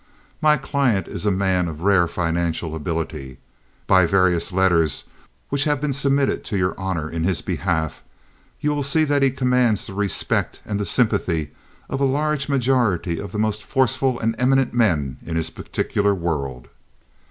My client is a man of rare financial ability. By the various letters which have been submitted to your honor in his behalf, you will see that he commands the respect and the sympathy of a large majority of the most forceful and eminent men in his particular world.